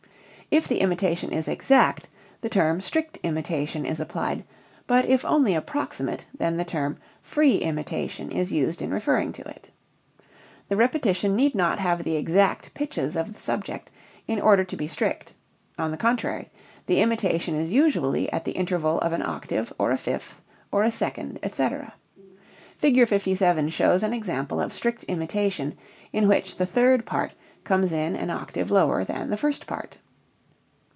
If the imitation is exact, the term strict imitation is applied, but if only approximate, then the term free imitation is used in referring to it. The repetition need not have the exact pitches of the subject in order to be strict; on the contrary the imitation is usually at the interval of an octave, or a fifth, or a second, etc. Fig. 57 shows an example of strict imitation in which the third part comes in an octave lower than the first part.